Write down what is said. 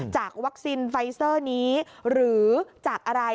จากวัคซีนไฟเซอร์นี้หรือจากอะไร